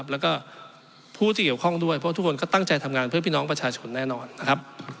แล้วก็ผู้ที่เกี่ยวข้องด้วยเพราะทุกคนก็ตั้งใจทำงานเพื่อพี่น้องประชาชนแน่นอนนะครับ